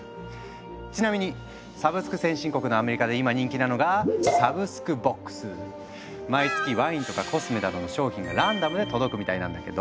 ちなみにサブスク先進国のアメリカで今人気なのが毎月ワインとかコスメなどの商品がランダムで届くみたいなんだけど。